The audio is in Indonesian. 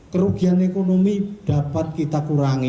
kerugian ekonomi dapat kita kurangi